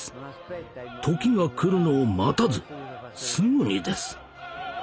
時が来るのを待たずすぐにです。